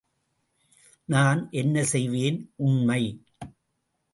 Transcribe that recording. நான் என்ன செய்வேன்? உண்மை.